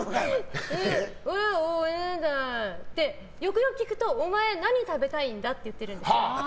おおああってよくよく聞くとお前、何食べたいんだって言ってるんですよ。